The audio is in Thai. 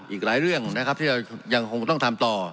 อีกหลายเรื่องนะครับที่เรายังคงต้องทำต่อ